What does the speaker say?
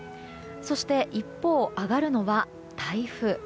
そして一方、上がるのは台風。